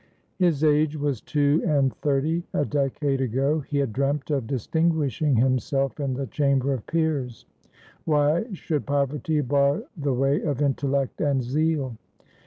His age was two and thirty. A decade ago he had dreamt of distinguishing himself in the Chamber of Peers; why should poverty bar the way of intellect and zeal?